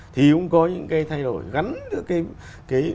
thì cũng có những cái thay đổi gắn với cái đồng hành